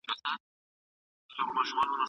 تحقیقي آثار ټولني ته رښتیني او کره معلومات ورکوي.